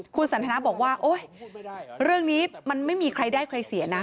คุณสันทนาบอกว่าโอ๊ยเรื่องนี้มันไม่มีใครได้ใครเสียนะ